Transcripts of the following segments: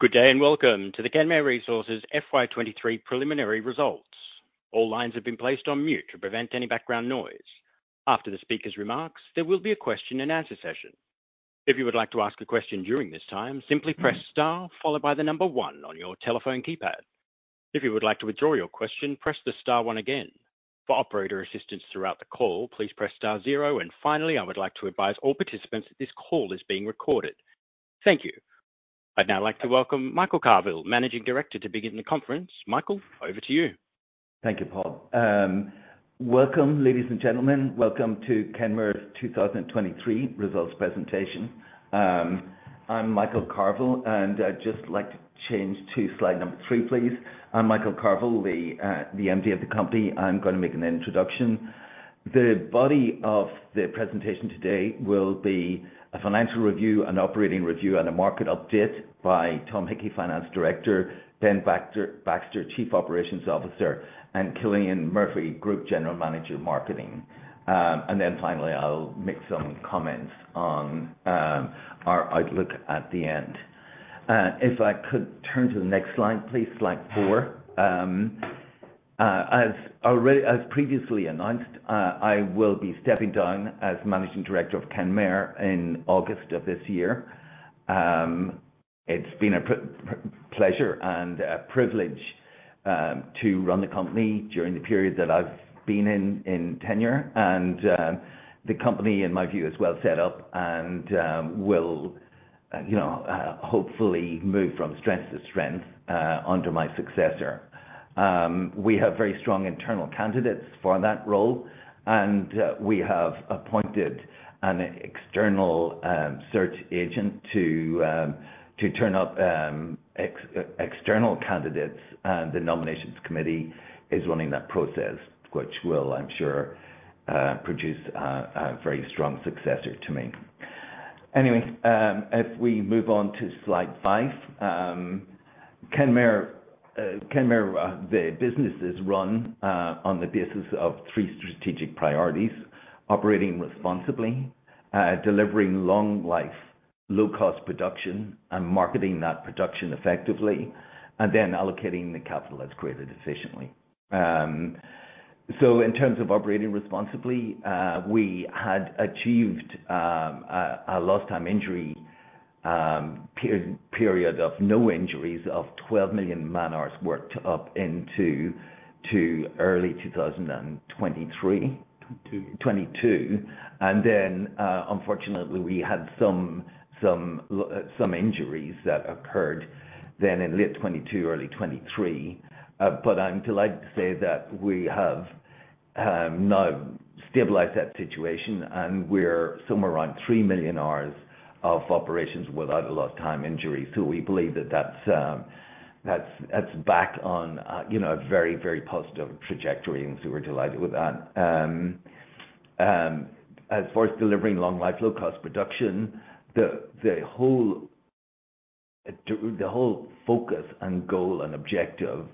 Good day and welcome to the Kenmare Resources FY23 preliminary results. All lines have been placed on mute to prevent any background noise. After the speaker's remarks, there will be a question-and-answer session. If you would like to ask a question during this time, simply press star followed by the number one on your telephone keypad. If you would like to withdraw your question, press the star one again. For operator assistance throughout the call, please press star zero. And finally, I would like to advise all participants that this call is being recorded. Thank you. I'd now like to welcome Michael Carvill, Managing Director, to begin the conference. Michael, over to you. Thank you, Paul. Welcome, ladies and gentlemen. Welcome to Kenmare's 2023 results presentation. I'm Michael Carvill, and I'd just like to change to slide number three, please. I'm Michael Carvill, the MD of the company. I'm going to make an introduction. The body of the presentation today will be a financial review, an operating review, and a market update by Tom Hickey, Finance Director, Ben Baxter, Chief Operations Officer, and Cillian Murphy, Group General Manager, Marketing. And then finally, I'll make some comments on our outlook at the end. If I could turn to the next slide, please, slide four. As already previously announced, I will be stepping down as Managing Director of Kenmare in August of this year. It's been a pleasure and a privilege to run the company during the period that I've been in tenure. And the company, in my view, is well set up and will, you know, hopefully move from strength to strength under my successor. We have very strong internal candidates for that role, and we have appointed an external search agent to turn up external candidates. And the nominations committee is running that process, which will, I'm sure, produce a very strong successor to me. Anyway, if we move on to slide five, Kenmare, the business is run on the basis of three strategic priorities: operating responsibly, delivering long-life, low-cost production, and marketing that production effectively, and then allocating the capital that's created efficiently. In terms of operating responsibly, we had achieved a Lost-Time Injury-free period of no injuries of 12 million man-hours worked up to early 2023. 2022. 2022. And then, unfortunately, we had some injuries that occurred then in late 2022, early 2023. But I'm delighted to say that we have now stabilized that situation, and we're somewhere around three million hours of operations without a lost-time injury. So we believe that that's back on, you know, a very, very positive trajectory, and so we're delighted with that. As far as delivering long-life, low-cost production, the whole focus and goal and objective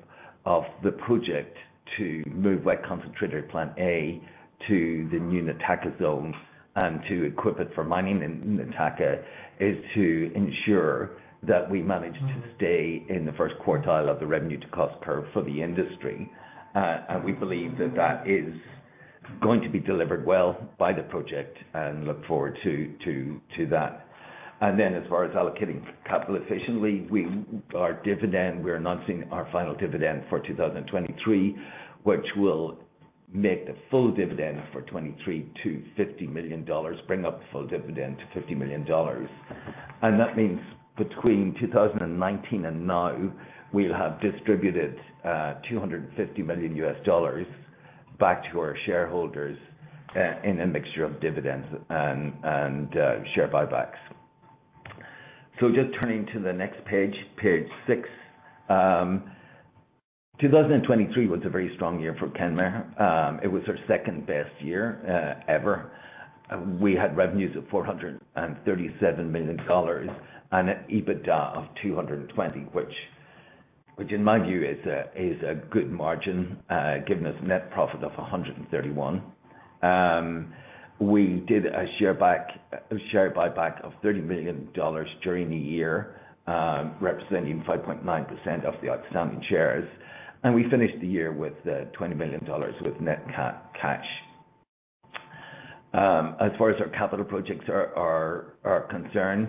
of the project to move Wet Concentrator Plant A to the new Nataka zone and to equip it for mining in Nataka is to ensure that we manage to stay in the first quartile of the revenue-to-cost curve for the industry. And we believe that that is going to be delivered well by the project, and look forward to that. As far as allocating capital efficiently, we're announcing our final dividend for 2023, which will make the full dividend for 2023 to $50 million, bring up the full dividend to $50 million. And that means between 2019 and now, we'll have distributed $250 million back to our shareholders, in a mixture of dividends and share buybacks. So just turning to the next page, page 6, 2023 was a very strong year for Kenmare. It was our second-best year ever. We had revenues of $437 million and an EBITDA of $220 million, which in my view is a good margin, giving us a net profit of $131 million. We did a share buyback of $30 million during the year, representing 5.9% of the outstanding shares. And we finished the year with $20 million net cash. As far as our capital projects are concerned,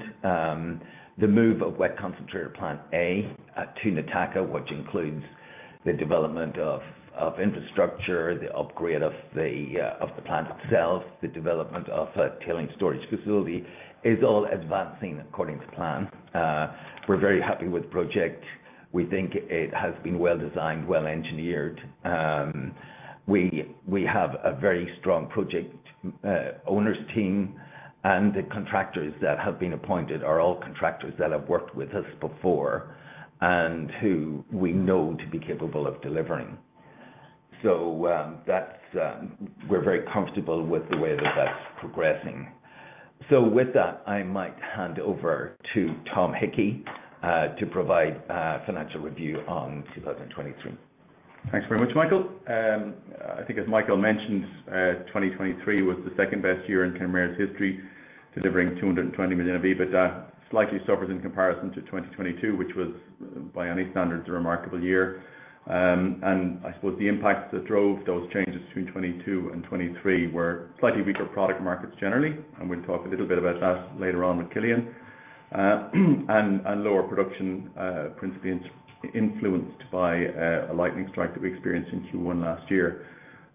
the move of Wet Concentrator Plant A to Nataka, which includes the development of infrastructure, the upgrade of the plant itself, the development of a tailings storage facility, is all advancing according to plan. We're very happy with the project. We think it has been well designed, well engineered. We have a very strong project owners team, and the contractors that have been appointed are all contractors that have worked with us before and who we know to be capable of delivering. So, we're very comfortable with the way that that's progressing. So with that, I might hand over to Tom Hickey to provide financial review on 2023. Thanks very much, Michael. I think as Michael mentioned, 2023 was the second-best year in Kenmare's history, delivering $220 million of EBITDA, slightly superior in comparison to 2022, which was, by any standards, a remarkable year. And I suppose the impacts that drove those changes between 2022 and 2023 were slightly weaker product markets generally, and we'll talk a little bit about that later on with Cillian, and lower production, principally influenced by a lightning strike that we experienced in Q1 last year.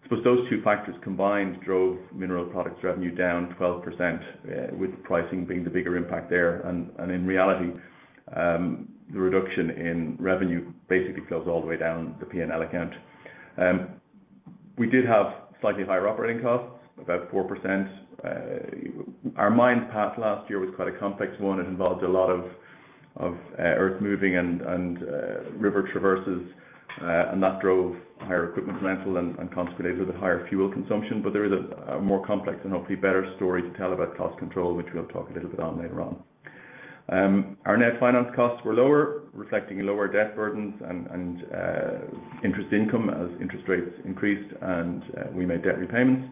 I suppose those two factors combined drove mineral products revenue down 12%, with pricing being the bigger impact there. And in reality, the reduction in revenue basically fell all the way down the P&L account. We did have slightly higher operating costs, about 4%. Our mine plan last year was quite a complex one. It involved a lot of earth moving and river traverses, and that drove higher equipment rental and consequently a little bit higher fuel consumption. But there is a more complex and hopefully better story to tell about cost control, which we'll talk a little bit on later on. Our net finance costs were lower, reflecting lower debt burdens and interest income as interest rates increased, and we made debt repayments.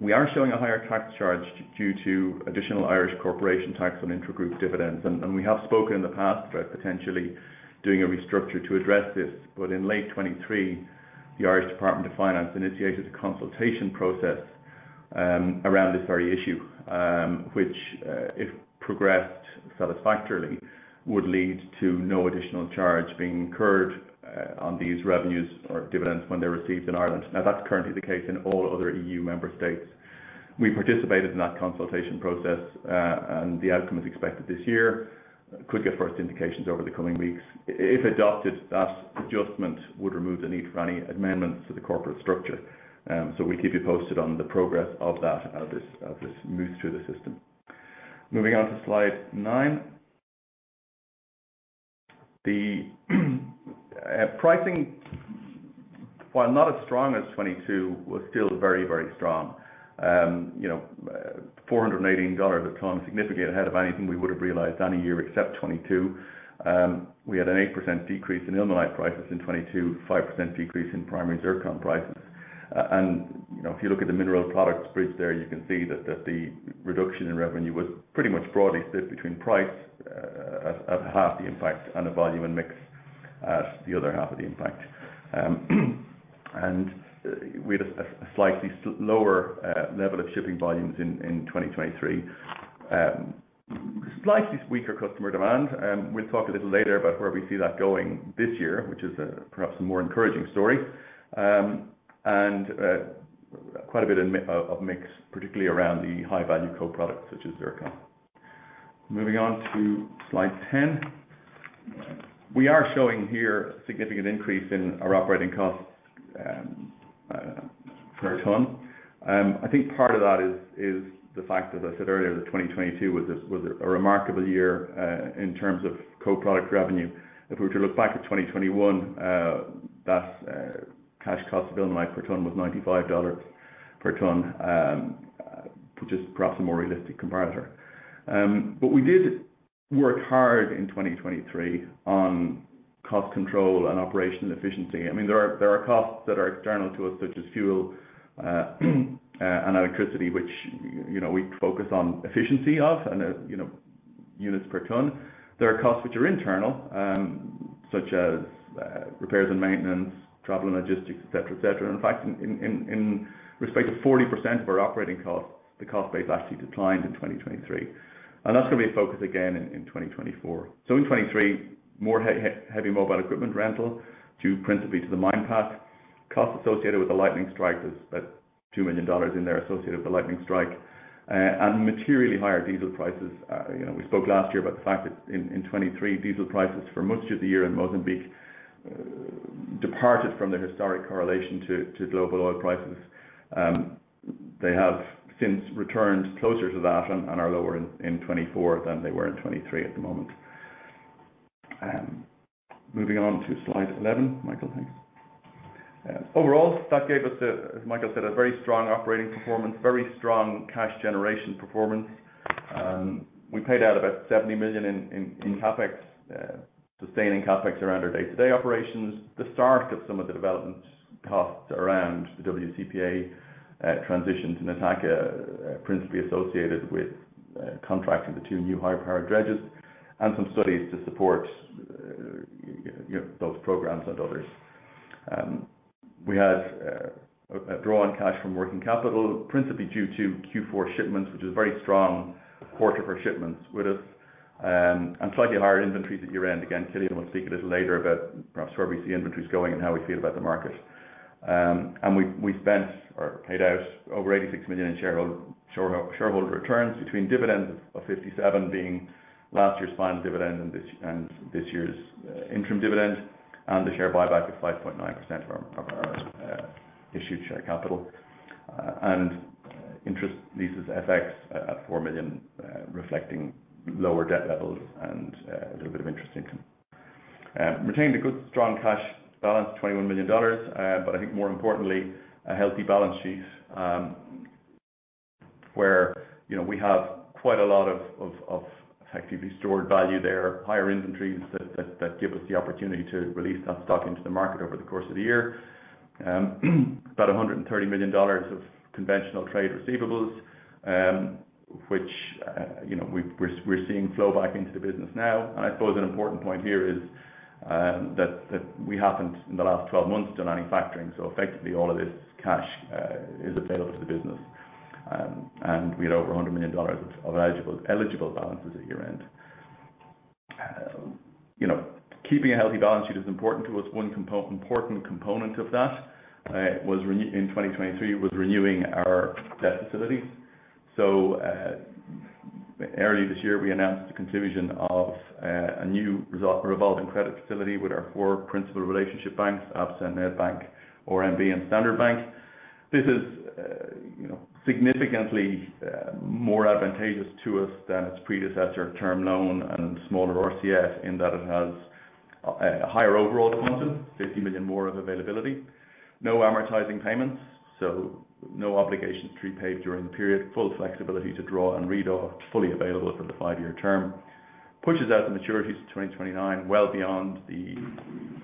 We are showing a higher tax charge due to additional Irish corporation tax on intra-group dividends. We have spoken in the past about potentially doing a restructure to address this, but in late 2023, the Irish Department of Finance initiated a consultation process around this very issue, which, if progressed satisfactorily, would lead to no additional charge being incurred on these revenues or dividends when they're received in Ireland. Now, that's currently the case in all other EU member states. We participated in that consultation process, and the outcome is expected this year. Could get first indications over the coming weeks. If adopted, that adjustment would remove the need for any amendments to the corporate structure. So we'll keep you posted on the progress of that, of this move through the system. Moving on to slide nine. The pricing, while not as strong as 2022, was still very, very strong. You know, $418 at the time was significant ahead of anything we would have realized any year except 2022. We had an 8% decrease in ilmenite prices in 2022, 5% decrease in primary zircon prices. You know, if you look at the mineral products bridge there, you can see that the reduction in revenue was pretty much broadly split between price, at half the impact, and the volume and mix at the other half of the impact. We had a slightly slower level of shipping volumes in 2023, slightly weaker customer demand. We'll talk a little later about where we see that going this year, which is perhaps a more encouraging story. Quite a bit of mix, particularly around the high-value co-products, such as zircon. Moving on to slide 10. We are showing here a significant increase in our operating costs, per ton. I think part of that is the fact that, as I said earlier, 2022 was a remarkable year, in terms of co-product revenue. If we were to look back at 2021, that cash cost of ilmenite per ton was $95 per ton, which is perhaps a more realistic comparator. But we did work hard in 2023 on cost control and operational efficiency. I mean, there are costs that are external to us, such as fuel and electricity, which, you know, we focus on efficiency of and, you know, units per ton. There are costs which are internal, such as repairs and maintenance, travel and logistics, etc., etc. In fact, in respect to 40% of our operating costs, the cost base actually declined in 2023. And that's going to be a focus again in 2024. So in 2023, more heavy mobile equipment rental to principally to the mine path. Costs associated with the lightning strike is about $2 million in there associated with the lightning strike, and materially higher diesel prices. You know, we spoke last year about the fact that in, in 2023, diesel prices for much of the year in Mozambique, departed from their historic correlation to, to global oil prices. They have since returned closer to that and, and are lower in, in 2024 than they were in 2023 at the moment. Moving on to Slide 11, Michael. Thanks. Overall, that gave us a, as Michael said, a very strong operating performance, very strong cash generation performance. We paid out about $70 million in, in, in CapEx, sustaining CapEx around our day-to-day operations. The start of some of the development costs around the WCP A transition to Nataka, principally associated with contracting the two new high-powered dredges and some studies to support you know those programs and others. We had a draw on cash from working capital, principally due to Q4 shipments, which was very strong quarter per shipments with us, and slightly higher inventories at year-end. Again, Cillian will speak a little later about perhaps where we see inventories going and how we feel about the market. We spent or paid out over $86 million in shareholder returns between dividends of $57 million being last year's final dividend and this year's interim dividend, and the share buyback of 5.9% of our issued share capital. Interest, leases, FX at $4 million, reflecting lower debt levels and a little bit of interest income. Retained a good strong cash balance of $21 million, but I think more importantly, a healthy balance sheet, where, you know, we have quite a lot of effectively stored value there, higher inventories that give us the opportunity to release that stock into the market over the course of the year, about $130 million of conventional trade receivables, which, you know, we're seeing flow back into the business now. And I suppose an important point here is, that we haven't, in the last 12 months, done any factoring. So effectively, all of this cash is available to the business. And we had over $100 million of eligible balances at year-end. You know, keeping a healthy balance sheet is important to us. One important component of that was renewing our debt facilities in 2023. So, early this year, we announced the conclusion of a new revolving credit facility with our four principal relationship banks, Absa, Nedbank, RMB, and Standard Bank. This is, you know, significantly more advantageous to us than its predecessor term loan and smaller RCF in that it has a higher overall deposit, $50 million more of availability, no amortizing payments, so no obligations prepaid during the period, full flexibility to draw and redraw, fully available for the five-year term, pushes out the maturities to 2029 well beyond the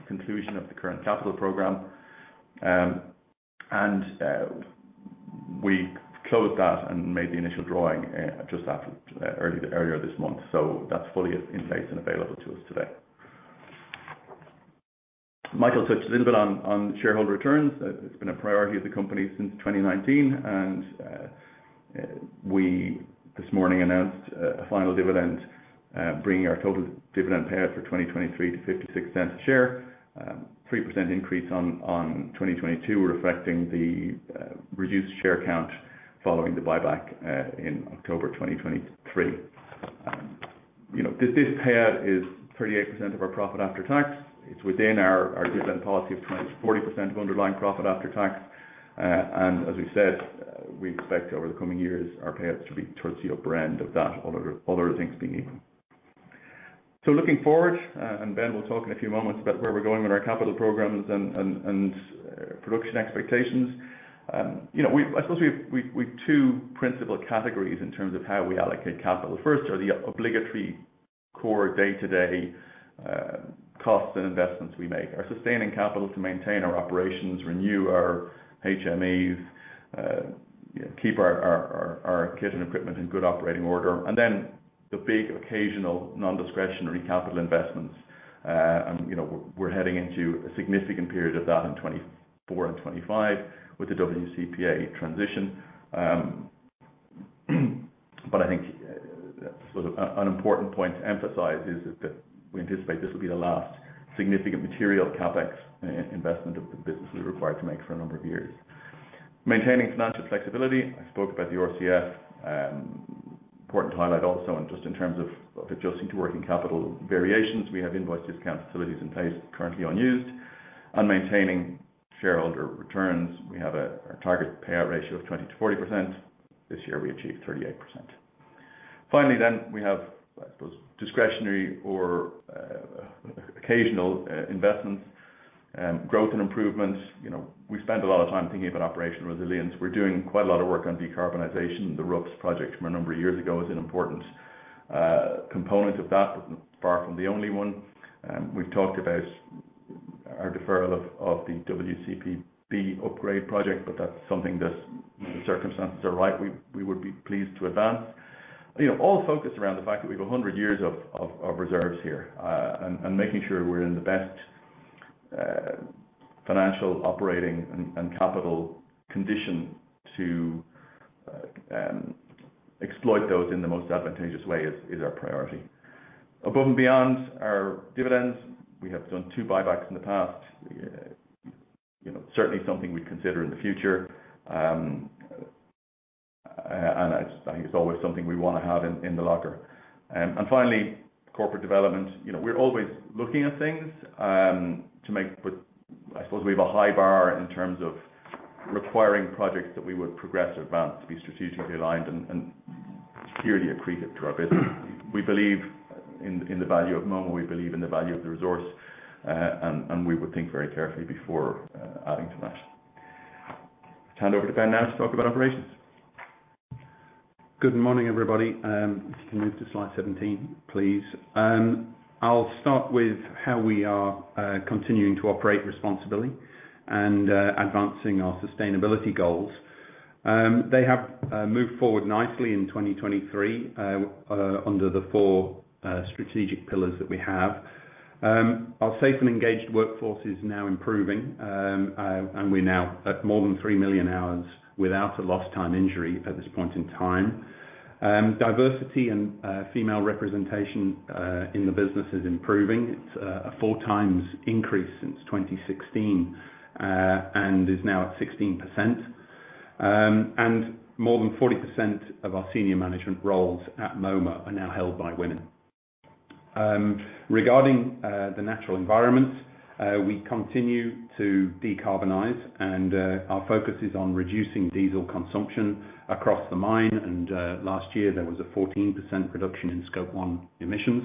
conclusion of the current capital program. We closed that and made the initial drawing just after early earlier this month. That's fully in place and available to us today. Michael touched a little bit on shareholder returns. It's been a priority of the company since 2019. We this morning announced a final dividend, bringing our total dividend payout for 2023 to $0.56 a share. 3% increase on 2022 reflecting the reduced share count following the buyback in October 2023. You know, this payout is 38% of our profit after tax. It's within our dividend policy of 20%-40% of underlying profit after tax. As we said, we expect over the coming years our payouts to be towards the upper end of that, all other things being equal. So looking forward, Ben will talk in a few moments about where we're going with our capital programs and production expectations. You know, we, I suppose, have two principal categories in terms of how we allocate capital. First are the obligatory core day-to-day costs and investments we make. Our sustaining capital to maintain our operations, renew our HMEs, you know, keep our kit and equipment in good operating order. Then the big occasional nondiscretionary capital investments. And, you know, we're heading into a significant period of that in 2024 and 2025 with the WCP A transition. But I think that's sort of an important point to emphasize is that we anticipate this will be the last significant material CapEx investment of the business we're required to make for a number of years. Maintaining financial flexibility. I spoke about the RCF. Important to highlight also and just in terms of adjusting to working capital variations. We have invoice discount facilities in place currently unused. On maintaining shareholder returns, we have our target payout ratio of 20%-40%. This year, we achieved 38%. Finally, then, we have, I suppose, discretionary or, occasional, investments, growth and improvements. You know, we spend a lot of time thinking about operational resilience. We're doing quite a lot of work on decarbonization. The RUPS project from a number of years ago is an important, component of that, but far from the only one. We've talked about our deferral of, of the WCP B upgrade project, but that's something that's, you know, the circumstances are right, we, we would be pleased to advance. You know, all focused around the fact that we have 100 years of, of, of reserves here, and, and making sure we're in the best, financial operating and, and capital condition to, exploit those in the most advantageous way is, is our priority. Above and beyond our dividends, we have done two buybacks in the past, you know, certainly something we'd consider in the future. And it's, I think, it's always something we want to have in the locker. And finally, corporate development. You know, we're always looking at things to make, but I suppose we have a high bar in terms of requiring projects that we would progress or advance be strategically aligned and purely accretive to our business. We believe in the value of Moma. We believe in the value of the resource, and we would think very carefully before adding to that. Hand over to Ben now to talk about operations. Good morning, everybody. If you can move to Slide 17, please. I'll start with how we are continuing to operate responsibly and advancing our sustainability goals. They have moved forward nicely in 2023, under the four strategic pillars that we have. Our safe and engaged workforce is now improving, and we're now at more than three million hours without a Lost-Time Injury at this point in time. Diversity and female representation in the business is improving. It's a 4x increase since 2016, and is now at 16%. And more than 40% of our senior management roles at Moma are now held by women. Regarding the natural environment, we continue to decarbonize, and our focus is on reducing diesel consumption across the mine. And last year, there was a 14% reduction in Scope 1 Emissions.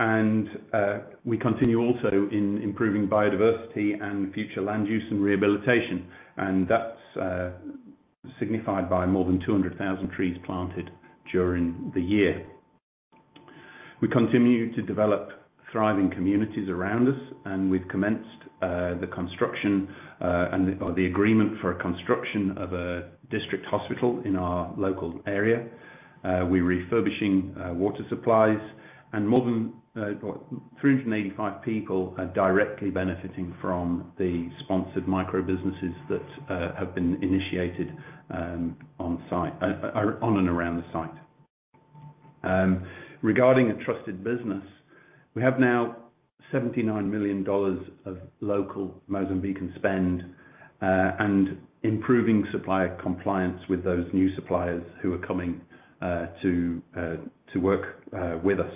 And we continue also in improving biodiversity and future land use and rehabilitation. That's signified by more than 200,000 trees planted during the year. We continue to develop thriving communities around us, and we've commenced the construction or the agreement for a construction of a district hospital in our local area. We're refurbishing water supplies, and more than, well, 385 people are directly benefiting from the sponsored microbusinesses that have been initiated on site and around the site. Regarding trusted business, we have now $79 million of local Mozambican spend, and improving supplier compliance with those new suppliers who are coming to work with us.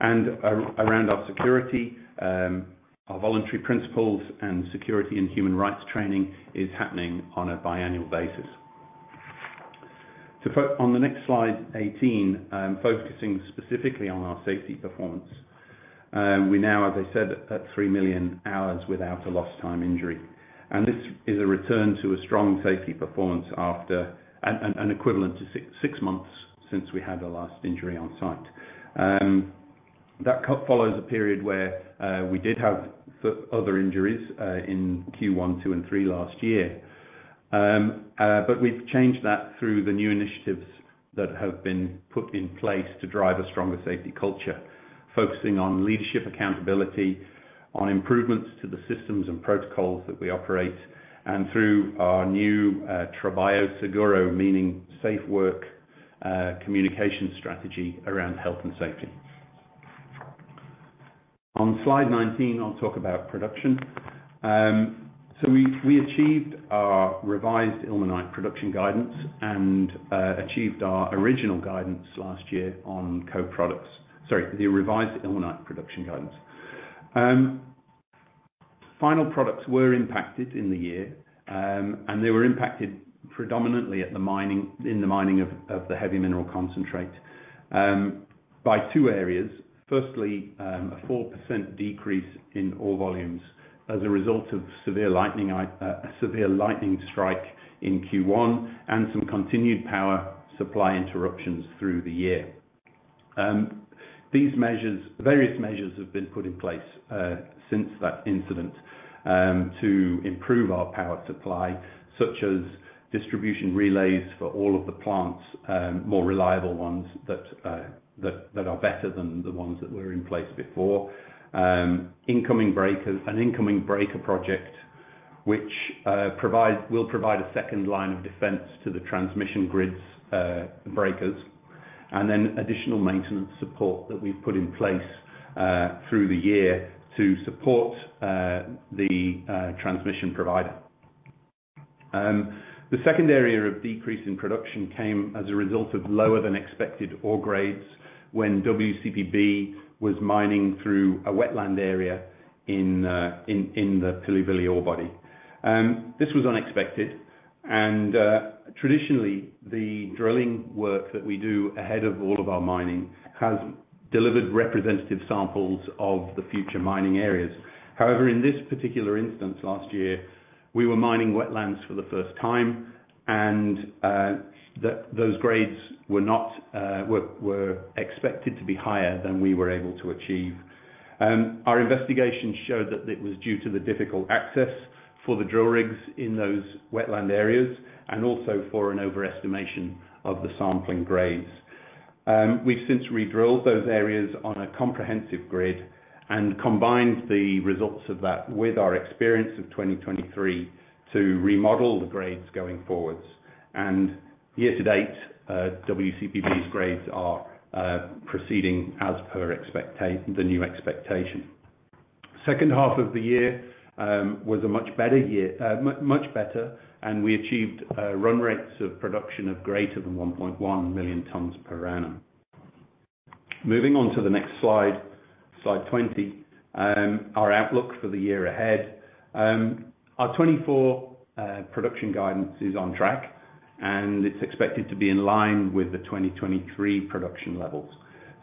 And around our security, our Voluntary Principles on Security and Human Rights training is happening on a biannual basis. To focus on the next Slide, 18, focusing specifically on our safety performance, we now, as I said, at three million hours without a lost-time injury. This is a return to a strong safety performance after an equivalent to six months since we had our last injury on site. That now follows a period where we did have other injuries in Q1, Q2, and Q3 last year. But we've changed that through the new initiatives that have been put in place to drive a stronger safety culture, focusing on leadership accountability, on improvements to the systems and protocols that we operate, and through our new Trabalho Seguro, meaning safe work, communication strategy around health and safety. On Slide 19, I'll talk about production. So we achieved our revised ilmenite production guidance and achieved our original guidance last year on co-products sorry, the revised ilmenite production guidance. Final products were impacted in the year, and they were impacted predominantly at the mining of the heavy mineral concentrate by two areas. Firstly, a 4% decrease in ore volumes as a result of severe lightning, i.e., a severe lightning strike in Q1 and some continued power supply interruptions through the year. These various measures have been put in place since that incident to improve our power supply, such as distribution relays for all of the plants, more reliable ones that are better than the ones that were in place before, incoming breakers and an incoming breaker project, which will provide a second line of defense to the transmission grids, breakers, and then additional maintenance support that we've put in place through the year to support the transmission provider. The second area of decrease in production came as a result of lower-than-expected ore grades when WCP B was mining through a wetland area in the Pilivili ore body. This was unexpected. Traditionally, the drilling work that we do ahead of all of our mining has delivered representative samples of the future mining areas. However, in this particular instance last year, we were mining wetlands for the first time, and that those grades were expected to be higher than we were able to achieve. Our investigation showed that it was due to the difficult access for the drill rigs in those wetland areas and also for an overestimation of the sampling grades. We've since redrilled those areas on a comprehensive grid and combined the results of that with our experience of 2023 to remodel the grades going forward. Year to date, WCP B's grades are proceeding as per expect the new expectation. Second half of the year was a much better year, much better, and we achieved run rates of production greater than 1.1 million tons per annum. Moving on to the next slide, Slide 20, our outlook for the year ahead. Our 2024 production guidance is on track, and it's expected to be in line with the 2023 production levels.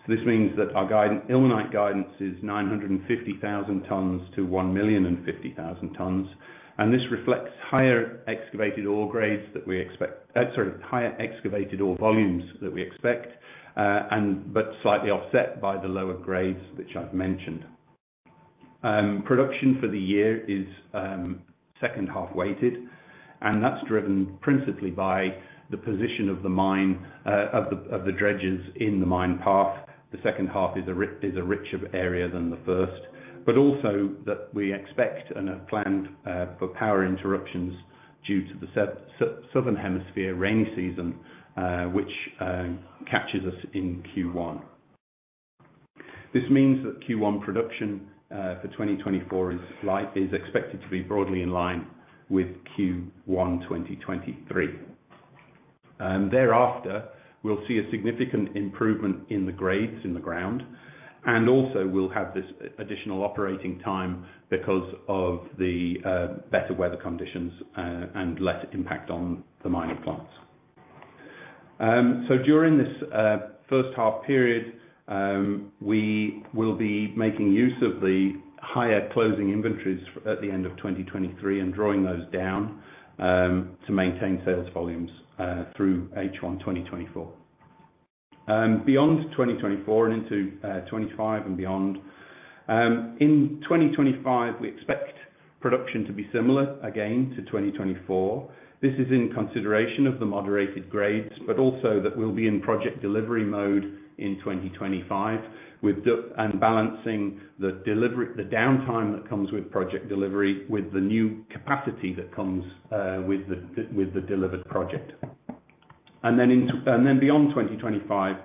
So this means that our ilmenite guidance is 950,000-1,050,000 tons. And this reflects higher excavated ore volumes that we expect, but slightly offset by the lower grades which I've mentioned. Production for the year is second-half weighted, and that's driven principally by the position of the dredges in the mine path. The second half is a richer area than the first, but also that we expect and have planned for power interruptions due to the southern hemisphere rainy season, which catches us in Q1. This means that Q1 production for 2024 is expected to be broadly in line with Q1 2023. Thereafter, we'll see a significant improvement in the grades in the ground. And also, we'll have this additional operating time because of the better weather conditions, and less impact on the mining plants. So during this first-half period, we will be making use of the higher closing inventories at the end of 2023 and drawing those down to maintain sales volumes through H1 2024. Beyond 2024 and into 2025 and beyond, we expect production to be similar again to 2024. This is in consideration of the moderated grades, but also that we'll be in project delivery mode in 2025 with downtime and balancing the delivery the downtime that comes with project delivery with the new capacity that comes with the delivered project. Then into and then beyond 2025,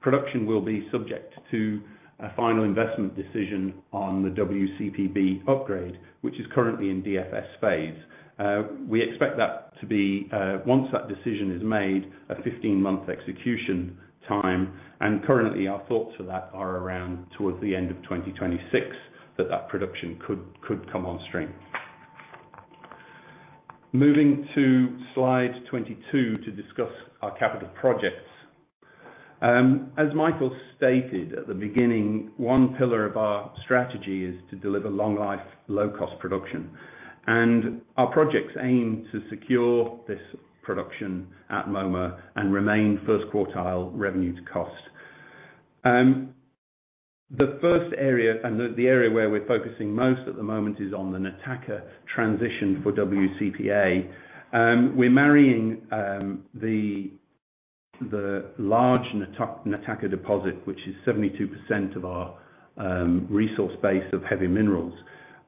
production will be subject to a final investment decision on the WCPB upgrade, which is currently in DFS phase. We expect that to be, once that decision is made, a 15-month execution time. And currently, our thoughts for that are around towards the end of 2026 that that production could come on stream. Moving to Slide 22 to discuss our capital projects. As Michael stated at the beginning, one pillar of our strategy is to deliver long-life, low-cost production. Our projects aim to secure this production at Moma and remain first-quartile revenue to cost. The first area and the area where we're focusing most at the moment is on the Nataka transition for WCP A. We're marrying the large Nataka deposit, which is 72% of our resource base of heavy minerals,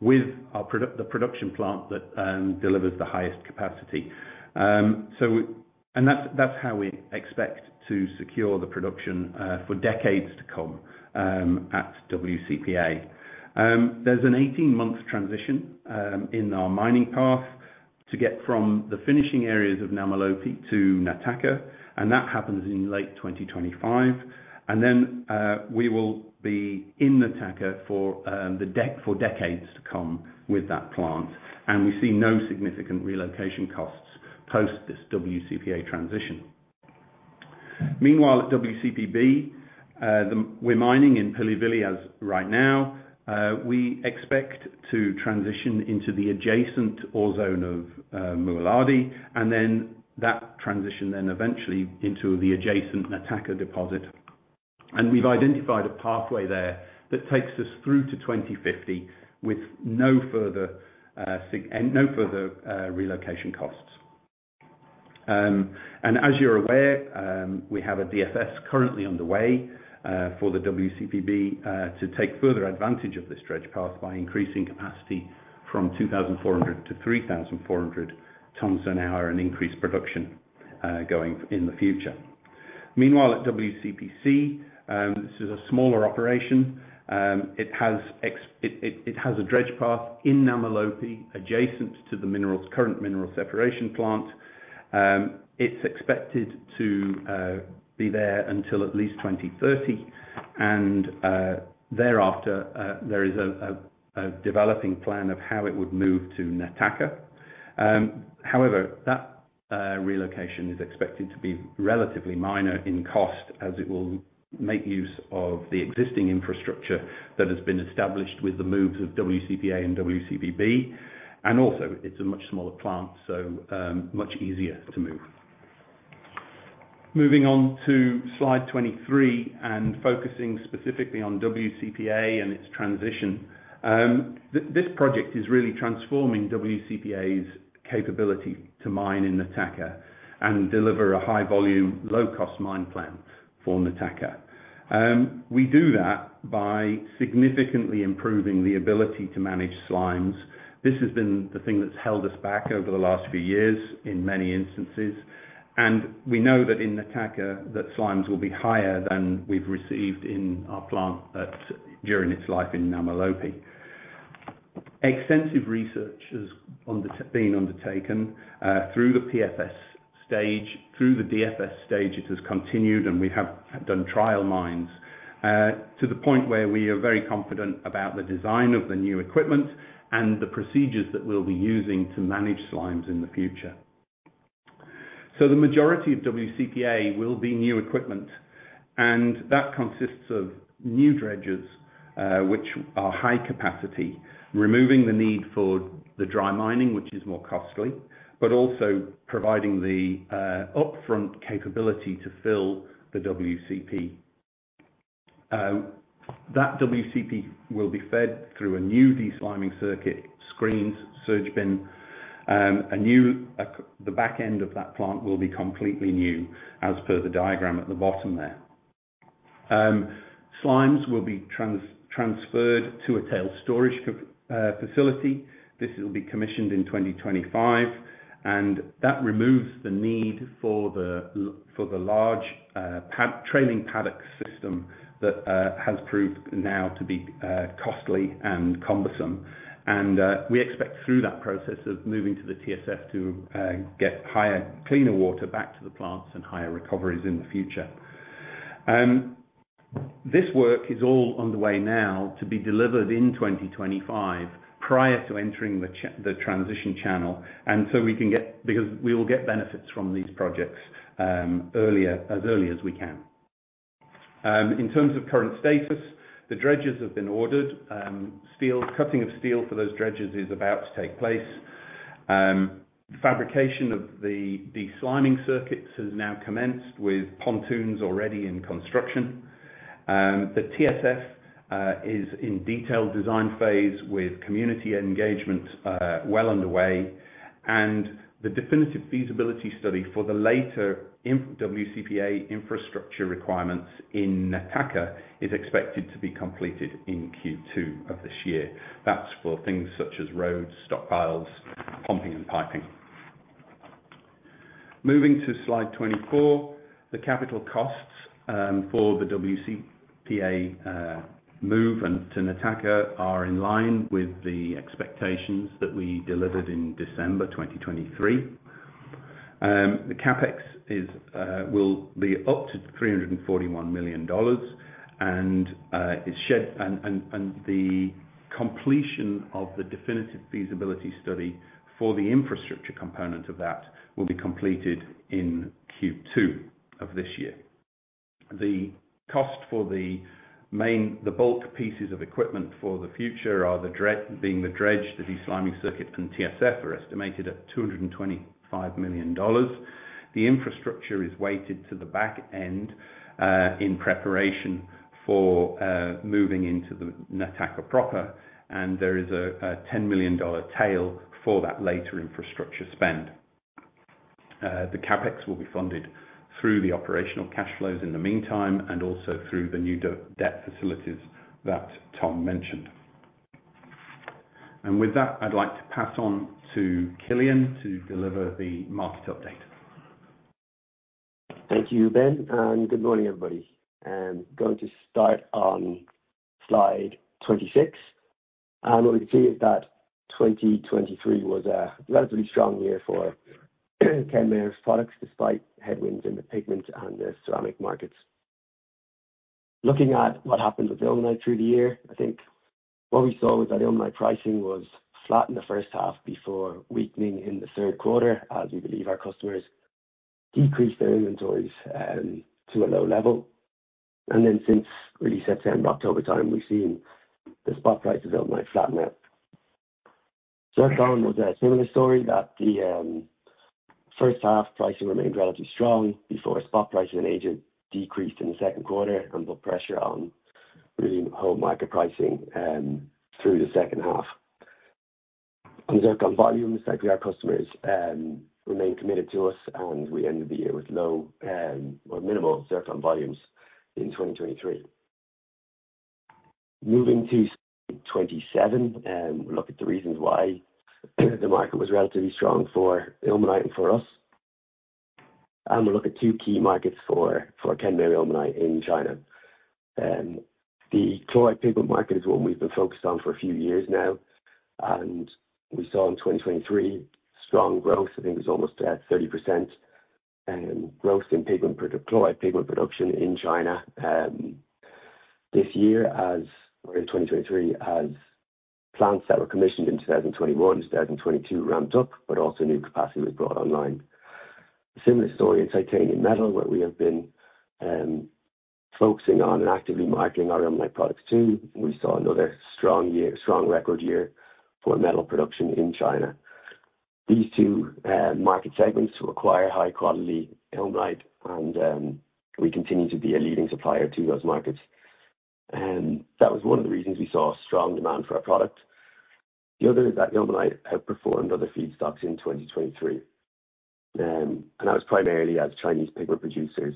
with our production plant that delivers the highest capacity. And that's how we expect to secure the production for decades to come at WCP A. There's an 18-month transition in our mining path to get from the finishing areas of Namalopi to Nataka - and that happens in late 2025 - and then we will be in Nataka for decades to come with that plant. And we see no significant relocation costs post this WCP A transition. Meanwhile, at WCP B, we're mining in Pilivili right now. We expect to transition into the adjacent ore zone of Mualadi, and then that transition then eventually into the adjacent Nataka deposit. We've identified a pathway there that takes us through to 2050 with no further site and no further relocation costs. As you're aware, we have a DFS currently underway for the WCP B to take further advantage of this dredge path by increasing capacity from 2,400 tons-3,400 tons an hour and increase production going forward in the future. Meanwhile, at WCP C, this is a smaller operation. It has a dredge path in Namalopi adjacent to the current mineral separation plant. It's expected to be there until at least 2030. Thereafter, there is a developing plan of how it would move to Nataka. However, that relocation is expected to be relatively minor in cost as it will make use of the existing infrastructure that has been established with the moves of WCP A and WCP B. Also, it's a much smaller plant, so much easier to move. Moving on to Slide 23 and focusing specifically on WCP A and its transition, this project is really transforming WCP A's capability to mine in Nataka and deliver a high-volume, low-cost mine plant for Nataka. We do that by significantly improving the ability to manage slimes. This has been the thing that's held us back over the last few years in many instances. We know that in Nataka that slimes will be higher than we've received in our plant during its life in Namalopi. Extensive research has been undertaken through the PFS stage through the DFS stage; it has continued, and we have done trial mines to the point where we are very confident about the design of the new equipment and the procedures that we'll be using to manage slimes in the future. So the majority of WCP A will be new equipment. And that consists of new dredges, which are high-capacity, removing the need for the dry mining, which is more costly, but also providing the upfront capability to fill the WCP. That WCP will be fed through a new desliming circuit, screens, surge bin. And the back end of that plant will be completely new as per the diagram at the bottom there. Slimes will be transferred to a tailings storage facility. This will be commissioned in 2025. That removes the need for the large paddock system that has proved now to be costly and cumbersome. We expect through that process of moving to the TSF to get higher, cleaner water back to the plants and higher recoveries in the future. This work is all underway now to be delivered in 2025 prior to entering the transition channel. So, because we will get benefits from these projects earlier, as early as we can. In terms of current status, the dredges have been ordered. Steel cutting for those dredges is about to take place. Fabrication of the desliming circuits has now commenced, with pontoons already in construction. The TSF is in detailed design phase, with community engagement well underway. The definitive feasibility study for the latter infrastructure WCP A requirements in Nataka is expected to be completed in Q2 of this year. That's for things such as roads, stockpiles, pumping, and piping. Moving to Slide 24, the capital costs for the WCP A move to Nataka are in line with the expectations that we delivered in December 2023. The CapEx will be up to $341 million and is scheduled and the completion of the definitive feasibility study for the infrastructure component of that will be completed in Q2 of this year. The cost for the main the bulk pieces of equipment for the future are the dredge being the dredge, the desliming circuit, and TSF are estimated at $225 million. The infrastructure is weighted to the back end, in preparation for moving into the Nataka proper. And there is a $10 million tail for that later infrastructure spend. The CapEx will be funded through the operational cash flows in the meantime and also through the new debt facilities that Tom mentioned. And with that, I'd like to pass on to Cillian to deliver the market update. Thank you, Ben. And good morning, everybody. I'm going to start on Slide 26. What we can see is that 2023 was a relatively strong year for Kenmare's products despite headwinds in the pigment and the ceramic markets. Looking at what happened with Ilmenite through the year, I think what we saw was that Ilmenite pricing was flat in the first half before weakening in the third quarter as we believe our customers decreased their inventories to a low level. And then since really September, October time, we've seen the spot price of Ilmenite flatten out. Zircon was a similar story that the first-half pricing remained relatively strong before spot price in Asia decreased in the second quarter and put pressure on really whole market pricing through the second half. On Zircon volumes, I think our customers remained committed to us, and we ended the year with low or minimal Zircon volumes in 2023. Moving to Slide 27, we'll look at the reasons why the market was relatively strong for Ilmenite and for us. And we'll look at two key markets for Kenmare Ilmenite in China. The chloride pigment market is one we've been focused on for a few years now. And we saw in 2023 strong growth. I think it was almost 30% growth in pigment per chloride pigment production in China this year as or in 2023 as plants that were commissioned in 2021 and 2022 ramped up, but also new capacity was brought online. A similar story in titanium metal where we have been focusing on and actively marketing our Ilmenite products too. We saw another strong year strong record year for metal production in China. These two market segments require high-quality Ilmenite, and we continue to be a leading supplier to those markets. That was one of the reasons we saw strong demand for our product. The other is that Ilmenite have performed other feedstocks in 2023. And that was primarily as Chinese pigment producers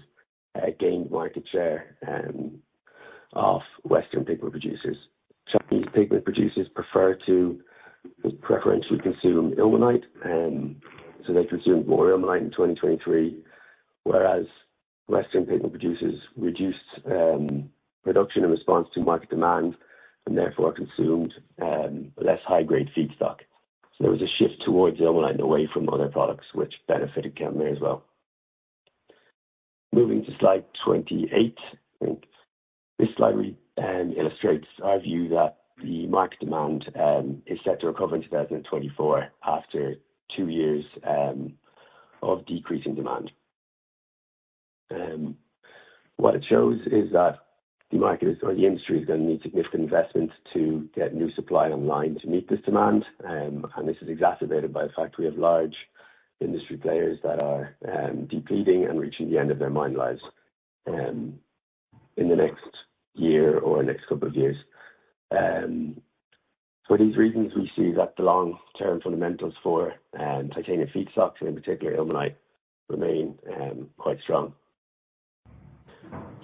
gained market share off Western pigment producers. Chinese pigment producers prefer to preferentially consume ilmenite, so they consumed more ilmenite in 2023, whereas Western pigment producers reduced production in response to market demand and therefore consumed less high-grade feedstock. So there was a shift towards ilmenite and away from other products, which benefited Kenmare as well. Moving to Slide 28, I think this slide re-illustrates our view that the market demand is set to recover in 2024 after two years of decreasing demand. What it shows is that the market is or the industry is gonna need significant investments to get new supply online to meet this demand. This is exacerbated by the fact we have large industry players that are depleting and reaching the end of their mine lives in the next year or next couple of years. For these reasons, we see that the long-term fundamentals for titanium feedstocks and in particular ilmenite remain quite strong.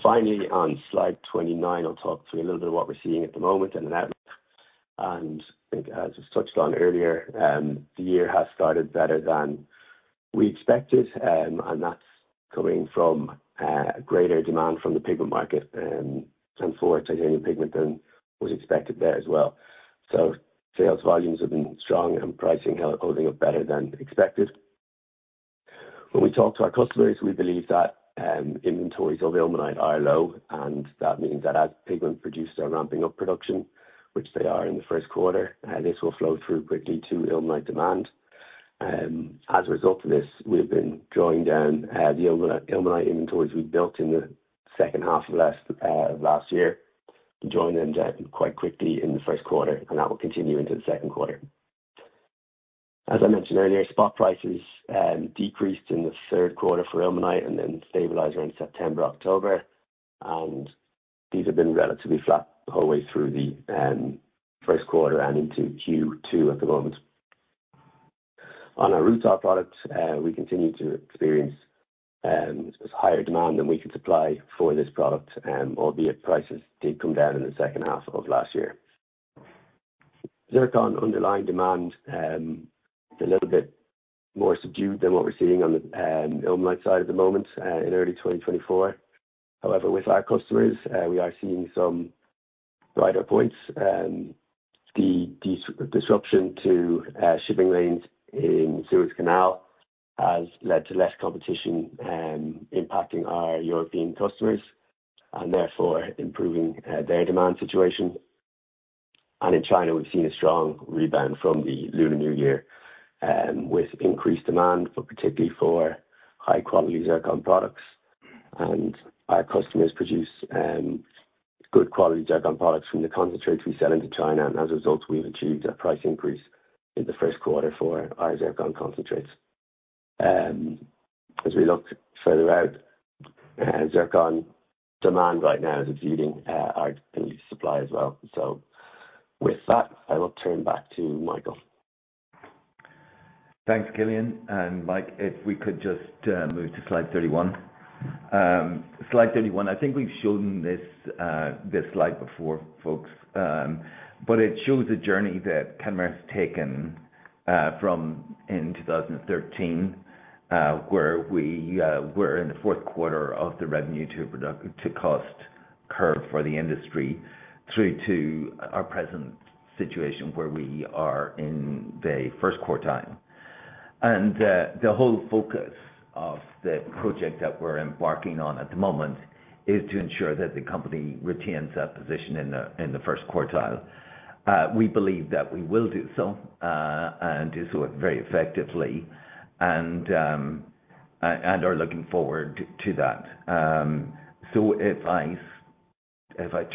Finally, on Slide 29, I'll talk through a little bit of what we're seeing at the moment and an outlook. I think as was touched on earlier, the year has started better than we expected, and that's coming from greater demand from the pigment market and for titanium pigment than was expected there as well. Sales volumes have been strong and pricing holding up better than expected. When we talk to our customers, we believe that inventories of ilmenite are low, and that means that as pigment producers are ramping up production, which they are in the first quarter, this will flow through quickly to ilmenite demand. As a result of this, we've been drawing down the ilmenite inventories we built in the second half of last year, drawing them down quite quickly in the first quarter, and that will continue into the second quarter. As I mentioned earlier, spot prices decreased in the third quarter for ilmenite and then stabilized around September, October. These have been relatively flat the whole way through the first quarter and into Q2 at the moment. On our rutile products, we continue to experience higher demand than we can supply for this product, albeit prices did come down in the second half of last year. Zircon underlying demand is a little bit more subdued than what we're seeing on the ilmenite side at the moment, in early 2024. However, with our customers, we are seeing some brighter points. The disruption to shipping lanes in the Suez Canal has led to less competition, impacting our European customers and therefore improving their demand situation. And in China, we've seen a strong rebound from the Lunar New Year, with increased demand for particularly for high-quality Zircon products. And our customers produce good-quality Zircon products from the concentrates we sell into China. And as a result, we've achieved a price increase in the first quarter for our Zircon concentrates. As we look further out, Zircon demand right now is exceeding our supply as well. So with that, I will turn back to Michael. Thanks, Cillian. And Mike, if we could just move to Slide 31. Slide 31, I think we've shown this, this slide before, folks, but it shows the journey that Kenmare has taken, from in 2013, where we were in the fourth quarter of the revenue to production cost curve for the industry through to our present situation where we are in the first quartile. The whole focus of the project that we're embarking on at the moment is to ensure that the company retains that position in the first quartile. We believe that we will do so, and do so very effectively. We are looking forward to that. So if I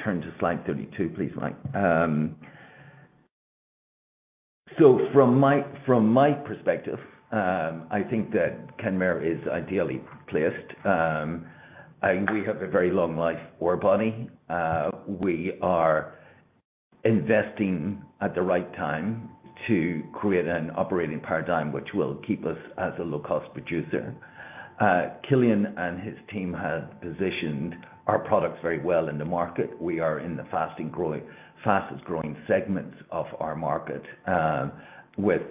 turn to Slide 32, please, Mike. So from my perspective, I think that Kenmare is ideally placed. I think we have a very long-life ore body. We are investing at the right time to create an operating paradigm which will keep us as a low-cost producer. Cillian and his team have positioned our products very well in the market. We are in the fastest-growing segments of our market, with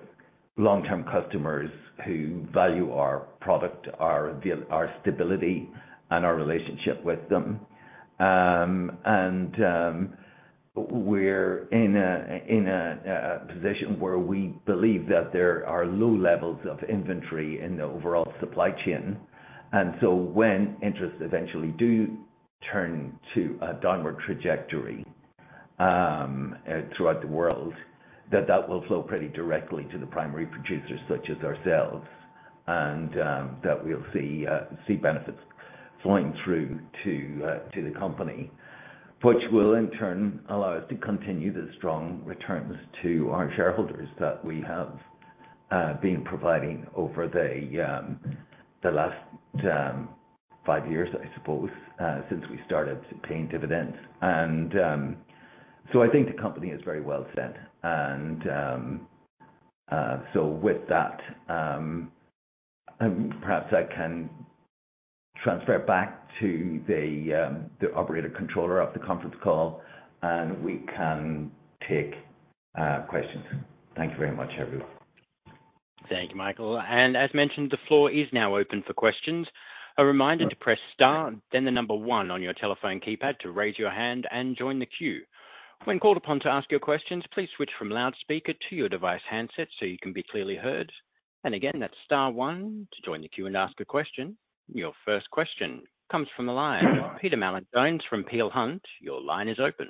long-term customers who value our product, our value, our stability, and our relationship with them. We're in a position where we believe that there are low levels of inventory in the overall supply chain. And so when interest rates eventually do turn to a downward trajectory throughout the world, that will flow pretty directly to the primary producers such as ourselves and that we'll see benefits flowing through to the company, which will in turn allow us to continue the strong returns to our shareholders that we have been providing over the last five years, I suppose, since we started paying dividends. So I think the company is very well set. So with that, perhaps I can transfer back to the operator controlling the conference call, and we can take questions. Thank you very much, everyone. Thank you, Michael. And as mentioned, the floor is now open for questions. A reminder to press star, then the number one on your telephone keypad to raise your hand and join the queue. When called upon to ask your questions, please switch from loudspeaker to your device handset so you can be clearly heard. And again, that's Star one to join the queue and ask a question. Your first question comes from the line. Peter Mallin-Jones from Peel Hunt, your line is open.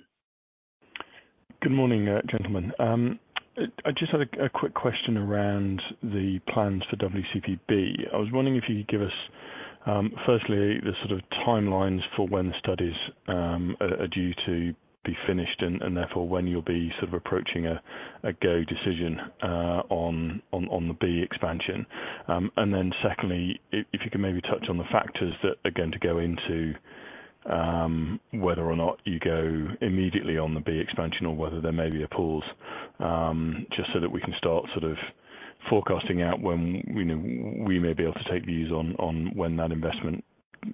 Good morning, gentlemen. I just had a quick question around the plans for WCP B. I was wondering if you could give us, firstly, the sort of timelines for when the studies are due to be finished and therefore when you'll be sort of approaching a go decision on the B expansion. And then secondly, if you can maybe touch on the factors that are going to go into, whether or not you go immediately on the B expansion or whether there may be a pause, just so that we can start sort of forecasting out when, you know, we may be able to take views on, on when that investment,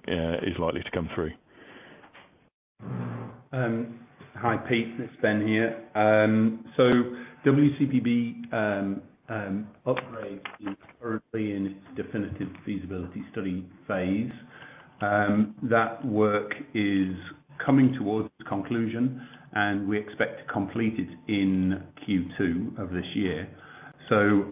is likely to come through. Hi, Pete. It's Ben here. So, WCP B upgrade is currently in its definitive feasibility study phase. That work is coming towards its conclusion, and we expect to complete it in Q2 of this year. So,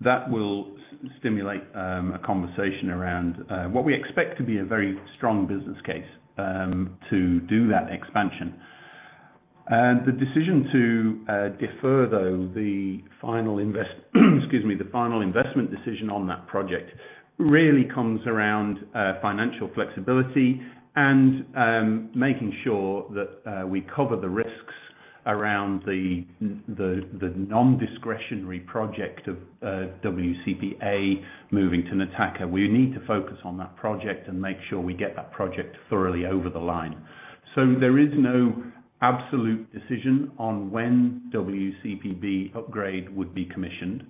that will stimulate a conversation around what we expect to be a very strong business case to do that expansion. And the decision to defer, though, the final investment decision on that project really comes around financial flexibility and making sure that we cover the risks around the nondiscretionary project of WCP A moving to Nataka. We need to focus on that project and make sure we get that project thoroughly over the line. So there is no absolute decision on when WCP B upgrade would be commissioned.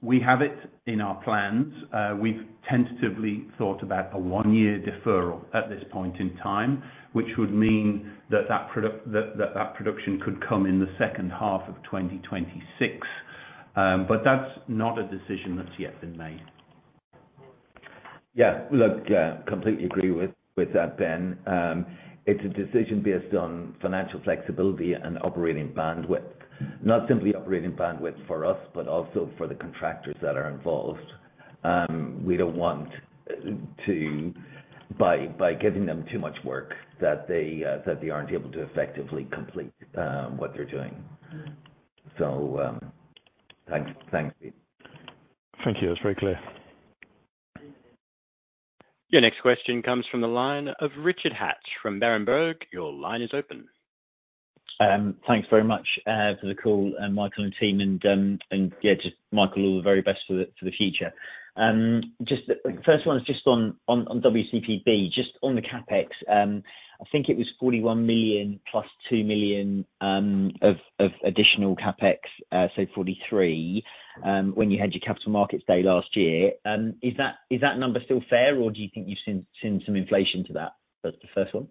We have it in our plans. We've tentatively thought about a one-year deferral at this point in time, which would mean that that production could come in the second half of 2026. But that's not a decision that's yet been made. Yeah. Look, completely agree with that, Ben. It's a decision based on financial flexibility and operating bandwidth, not simply operating bandwidth for us but also for the contractors that are involved. We don't want to, by giving them too much work that they aren't able to effectively complete what they're doing. So, thanks. Thanks, Pete. Thank you. That's very clear. Your next question comes from the line of Richard Hatch from Berenberg. Your line is open. Thanks very much for the call, Michael and team. And, yeah, just, Michael, all the very best for the future. Just the first one is just on WCP B. Just on the CapEx, I think it was $41 million + $2 million of additional CapEx, so $43 million, when you had your Capital Markets Day last year. Is that number still fair, or do you think you've seen some inflation to that? That's the first one.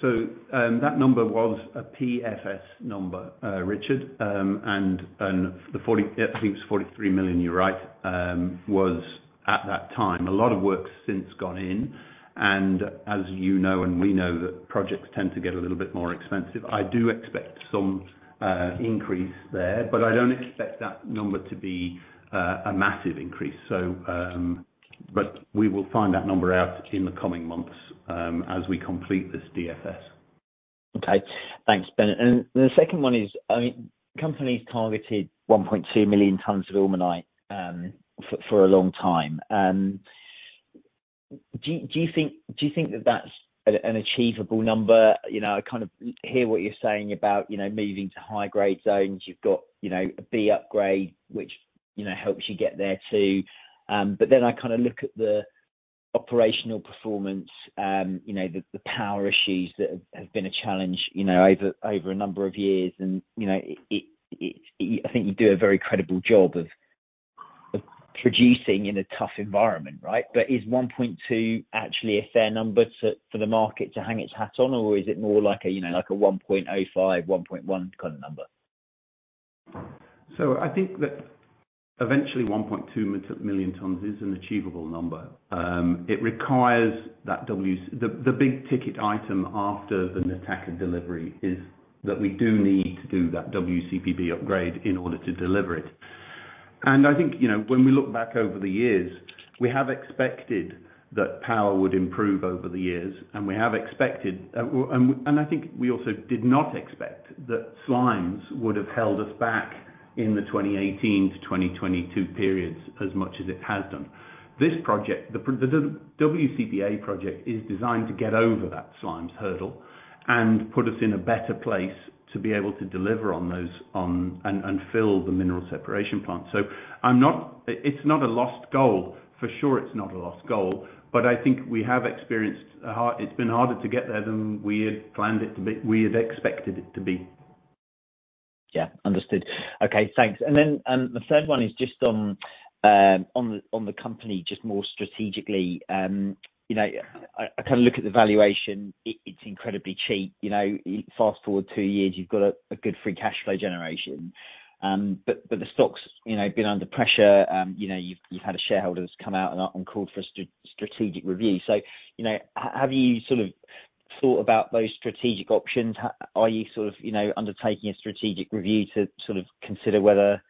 So, that number was a PFS number, Richard, and the 40—I think it was $43 million, you're right—was at that time. A lot of work's since gone in. And as you know and we know that projects tend to get a little bit more expensive, I do expect some increase there, but I don't expect that number to be a massive increase. So, but we will find that number out in the coming months, as we complete this DFS. Okay. Thanks, Ben. And the second one is, I mean, the company's targeted 1.2 million tons of Ilmenite for a long time. Do you think that that's an achievable number? You know, I kind of hear what you're saying about, you know, moving to high-grade zones. You've got, you know, a B upgrade which, you know, helps you get there too. But then I kind of look at the operational performance, you know, the power issues that have been a challenge, you know, over a number of years. And, you know, it’s I think you do a very credible job of producing in a tough environment, right? But is 1.2 ton actually a fair number to for the market to hang its hat on, or is it more like a, you know, like a 1.05 ton, 1.1 ton kind of number? So I think that eventually, 1.2 million tons is an achievable number. It requires that WCP A, the big ticket item after the Nataka delivery is that we do need to do that WCP B upgrade in order to deliver it. And I think, you know, when we look back over the years, we have expected that power would improve over the years, and we have expected and we and I think we also did not expect that slimes would have held us back in the 2018-2022 periods as much as it has done. This project, the WCP A project is designed to get over that slimes hurdle and put us in a better place to be able to deliver on those and fill the mineral separation plant. So I'm not—it's not a lost goal. For sure, it's not a lost goal, but I think we have experienced. It's been harder to get there than we had planned it to be we had expected it to be. Yeah. Understood. Okay. Thanks. And then, the third one is just on the company just more strategically. You know, I kind of look at the valuation. It's incredibly cheap. You know, fast forward two years, you've got a good free cash flow generation. But the stock's, you know, been under pressure. You know, you've had a shareholder that's come out and called for a strategic review. So, you know, have you sort of thought about those strategic options? Are you sort of, you know, undertaking a strategic review to sort of consider whether,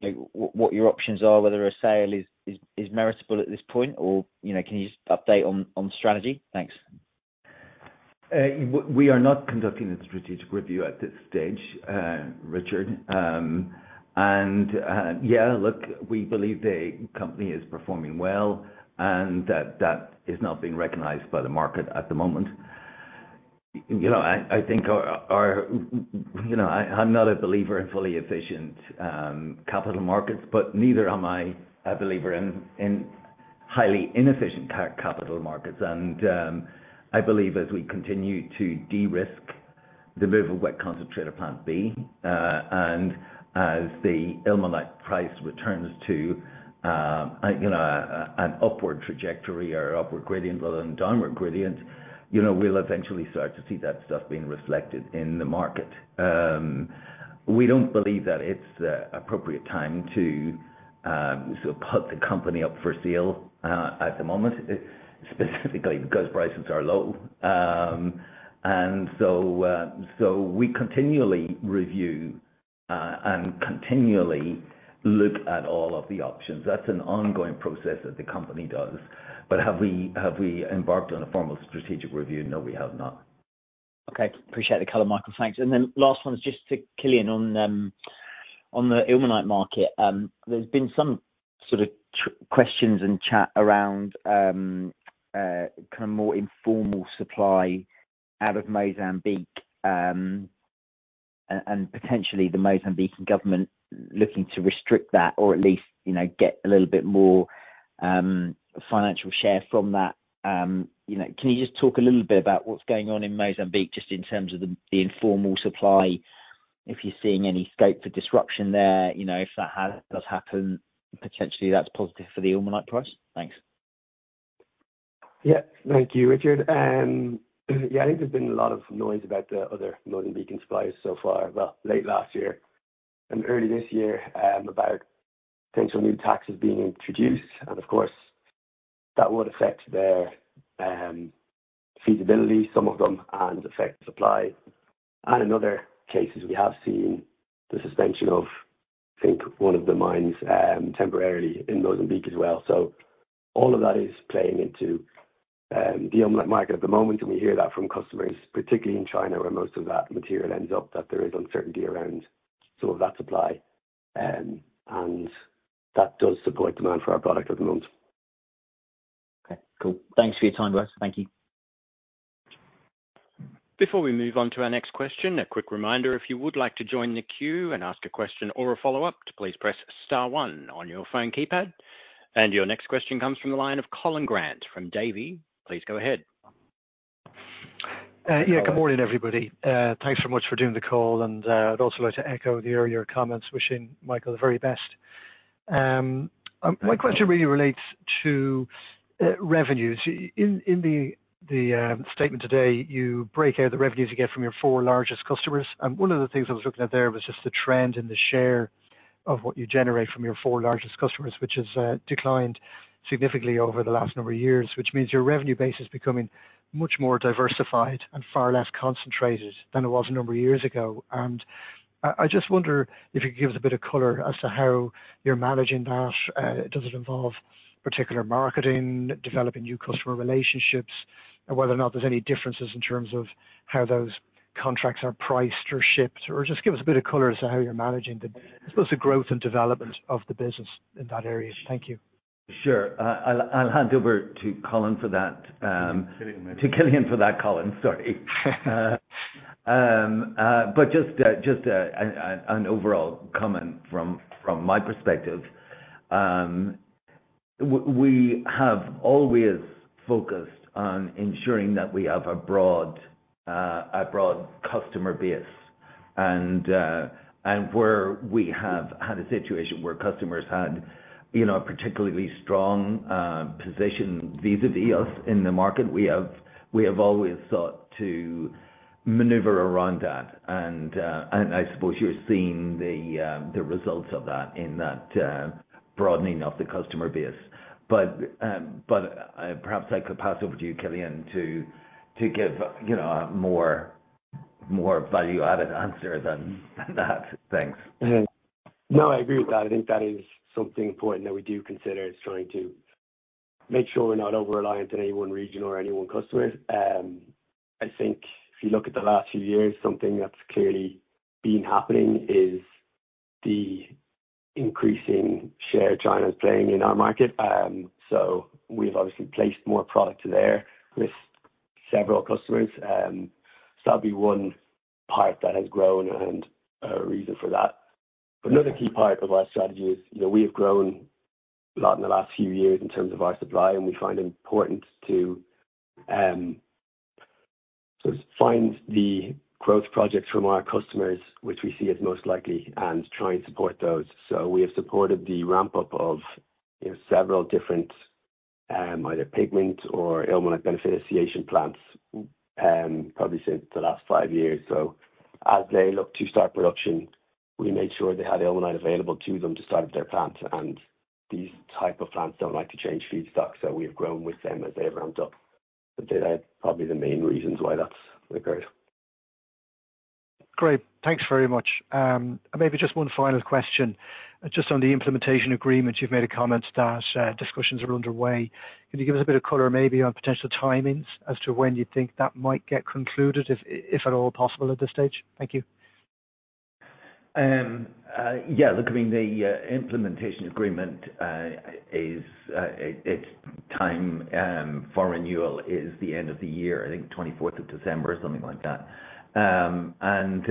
you know, what your options are, whether a sale is meritorious at this point, or, you know, can you just update on strategy? Thanks. We are not conducting a strategic review at this stage, Richard. Yeah, look, we believe the company is performing well, and that is not being recognized by the market at the moment. You know, I think our you know, I’m not a believer in fully efficient capital markets, but neither am I a believer in highly inefficient capital markets. I believe as we continue to de-risk the move of Wet Concentrator Plant B, and as the Ilmenite price returns to, you know, a, a, an upward trajectory or upward gradient rather than downward gradient, you know, we'll eventually start to see that stuff being reflected in the market. We don't believe that it's the appropriate time to, sort of put the company up for sale, at the moment, specifically because prices are low. So we continually review, and continually look at all of the options. That's an ongoing process that the company does. But have we have we embarked on a formal strategic review? No, we have not. Okay. Appreciate the color, Michael. Thanks. Then last one's just to Cillian on, on the Ilmenite market. There's been some sort of questions and chat around, kind of more informal supply out of Mozambique, and potentially the Mozambican government looking to restrict that or at least, you know, get a little bit more financial share from that. You know, can you just talk a little bit about what's going on in Mozambique just in terms of the informal supply, if you're seeing any scope for disruption there? You know, if that does happen, potentially that's positive for the ilmenite price? Thanks. Yeah. Thank you, Richard. Yeah, I think there's been a lot of noise about the other Mozambican suppliers so far, well, late last year and early this year, about potential new taxes being introduced. And of course, that would affect their feasibility, some of them, and affect supply. In other cases, we have seen the suspension of, I think, one of the mines, temporarily in Mozambique as well. All of that is playing into the ilmenite market at the moment. We hear that from customers, particularly in China where most of that material ends up, that there is uncertainty around some of that supply, and that does support demand for our product at the moment. Okay. Cool. Thanks for your time, all Thank you. Before we move on to our next question, a quick reminder. If you would like to join the queue and ask a question or a follow-up, please press Star one on your phone keypad. Your next question comes from the line of Colin Grant from Davy. Please go ahead. Yeah, good morning, everybody. Thanks so much for doing the call. I'd also like to echo the earlier comments, wishing Michael the very best. My question really relates to revenues. In the statement today, you break out the revenues you get from your four largest customers. And one of the things I was looking at there was just the trend in the share of what you generate from your four largest customers, which has declined significantly over the last number of years, which means your revenue base is becoming much more diversified and far less concentrated than it was a number of years ago. And I just wonder if you could give us a bit of colour as to how you're managing that. Does it involve particular marketing, developing new customer relationships, and whether or not there's any differences in terms of how those contracts are priced or shipped? Or just give us a bit of color as to how you're managing, I suppose, the growth and development of the business in that area. Thank you. Sure. I'll hand over to Cillian for that. Sorry, but just an overall comment from my perspective. We have always focused on ensuring that we have a broad customer base. And where we have had a situation where customers had, you know, a particularly strong position vis-a-vis us in the market, we have always sought to maneuver around that. And I suppose you're seeing the results of that in that broadening of the customer base. But perhaps I could pass over to you, Cillian, to give, you know, a more value-added answer than that. Thanks. Yeah. No, I agree with that. I think that is something important that we do consider. It's trying to make sure we're not over-reliant on any one region or any one customer. I think if you look at the last few years, something that's clearly been happening is the increasing share China's playing in our market. So we've obviously placed more product there with several customers. So that'll be one part that has grown and a reason for that. But another key part of our strategy is, you know, we have grown a lot in the last few years in terms of our supply, and we find it important to, sort of find the growth projects from our customers which we see as most likely and try and support those. So we have supported the ramp-up of, you know, several different, either pigment or ilmenite beneficiation plants, probably since the last five years. So as they looked to start production, we made sure they had ilmenite available to them to start up their plant. And these type of plants don't like to change feedstock, so we have grown with them as they've ramped up. But they're probably the main reasons why that's occurred. Great. Thanks very much. Maybe just one final question. Just on the Implementation Agreement, you've made a comment that discussions are underway. Can you give us a bit of color maybe on potential timings as to when you think that might get concluded, if, if at all possible at this stage? Thank you. Yeah. Look, I mean, the Implementation Agreement is, it's time for renewal is the end of the year. I think 24th of December or something like that. And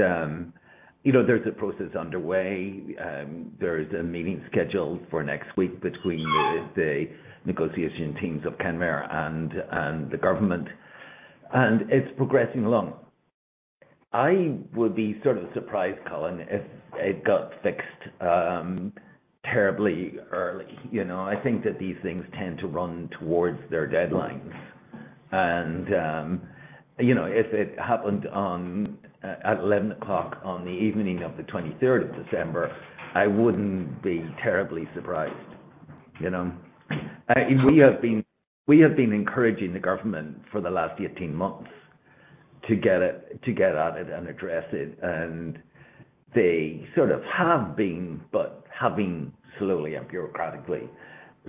you know, there's a process underway. There's a meeting scheduled for next week between the negotiation teams of Kenmare and the government. And it's progressing along. I would be sort of surprised, Colin, if it got fixed terribly early. You know, I think that these things tend to run towards their deadlines. And, you know, if it happened on, at 11 o'clock on the evening of the 23rd of December, I wouldn't be terribly surprised, you know? We have been encouraging the government for the last 18 months to get to it and address it. And they sort of have been, but have been slowly and bureaucratically.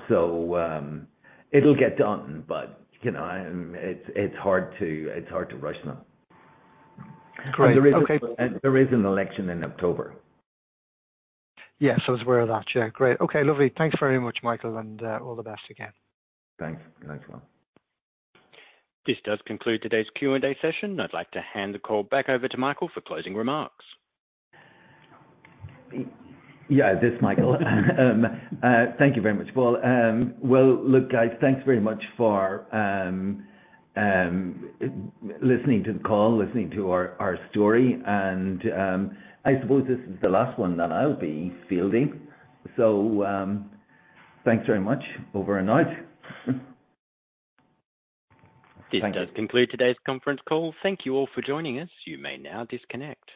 So, it'll get done, but, you know, it's hard to rush them. And there is an election in October. Yeah. So I was aware of that. Yeah. Great. Okay. Lovely. Thanks very much, Michael, and all the best again. Thanks. Thanks, Will. This does conclude today's Q&A session. I'd like to hand the call back over to Michael for closing remarks. Yeah, this is Michael. Thank you very much. Well, well, look, guys, thanks very much for listening to the call, listening to our story. And I suppose this is the last one that I'll be fielding. So, thanks very much overnight. Thank you. This does conclude today's conference call. Thank you all for joining us. You may now disconnect.